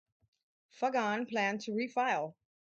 Fagan planned to refile.